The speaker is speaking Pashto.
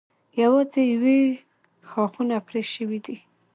یوازې یې ښاخونه پرې شوي دي.